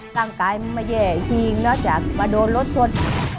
ร่างกายมันไม่แย่จริงนอกจากมาโดนรถชน